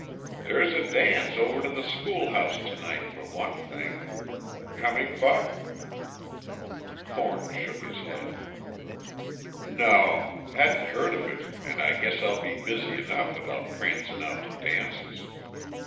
"There's a dance over to the school house tonight, for one thing. Coming, Buck?" Thornton shook his head. "No. Hadn't heard of it and I guess I'll be busy enough without prancing out to dances."